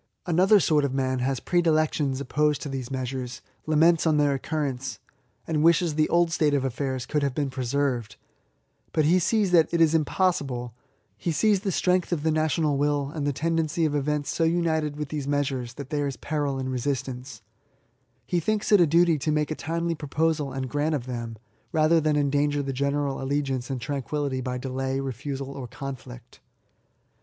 Another sort of man has predilections opposed to these measures, laments their occurrence, and wishes the old state of affairs could have been preserved ; but he sees that it is impossible, — he sees the strength of the national will, and the tendency of events so united with these measures, that there is peril in resist anccr He thinks it a duty to make a timely proposal and grant of them, rather than endanger the general allegiance and tranquillity by delay, refusal, or conflict.